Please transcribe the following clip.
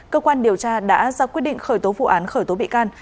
cơ quan điều tra đã ra quyết định khởi tố vụ án khởi tố bị can